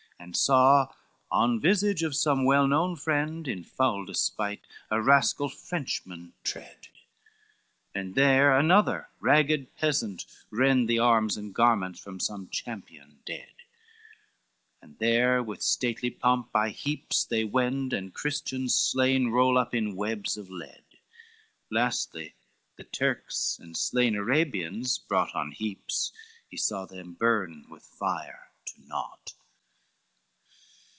XXVI And saw one visage of some well known friend. In foul despite, a rascal Frenchman tread, And there another ragged peasant rend The arms and garments from some champion dead, And there with stately pomp by heaps they wend, And Christians slain roll up in webs of lead; Lastly the Turks and slain Arabians, brought On heaps, he saw them burn with fire to naught.